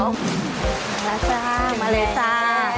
มาแล้วจ้ามาเลยจ้า